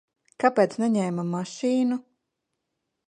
Kāpēc neņēma mašīnu?